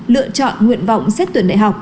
lựa chọn nguyện vọng xét tuyển đại học